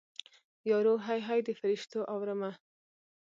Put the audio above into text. یارو هی هی د فریشتو اورمه